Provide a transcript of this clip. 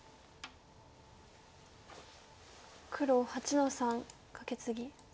黒８の三カケツギ。